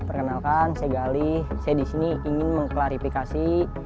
perkenalkan saya galih saya di sini ingin mengklarifikasi